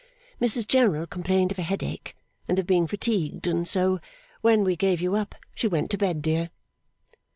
'Mrs General complained of a headache, and of being fatigued; and so, when we gave you up, she went to bed, dear.